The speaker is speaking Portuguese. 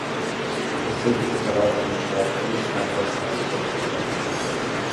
A receita de farofa do meu pai foi um destaque desta época de quarentena.